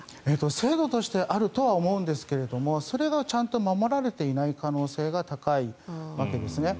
制度としてあるとは思うんですがそれがちゃんと守られていない可能性が高いわけです。